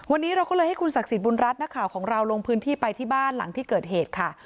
วันนี้เราก็เลยให้คุณศักดิ์สิทธิบุญรัฐนักข่าวของเราลงพื้นที่ไปที่บ้านหลังที่เกิดเหตุค่ะ